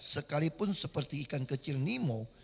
sekalipun seperti ikan kecil nemo